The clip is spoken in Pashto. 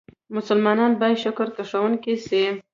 مسلمانان بايد شکرکښونکي سي.